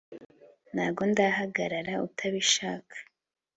ntago ndahagarara utabishaka